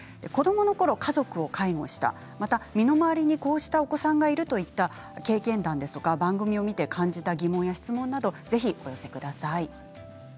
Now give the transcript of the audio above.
子どものころ、家族を介護したまた身の回りにこうしたお子さんがいるといった経験談ですとか番組を見て感じた疑問や質問などぜひお寄せください。